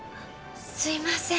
すいません。